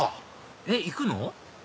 えっ行くの？